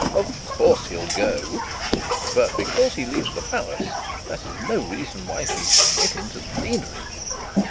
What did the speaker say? Of course he'll go. But because he leaves the palace, that is no reason why he should get into the deanery.'